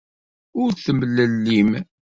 Ur temlellim.